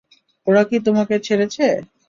ওরা কি তোমাকে ছেড়েছে?